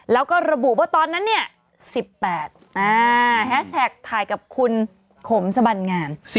แล้วก็ระบุว่าตอนนั้นเนี่ย๑๘แฮสแท็กถ่ายกับคุณขมสบันงาม